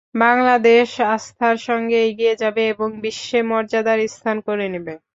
বাংলাদেশ আস্থার সঙ্গে এগিয়ে যাবে এবং বিশ্বে মর্যাদার স্থান করে নেবে।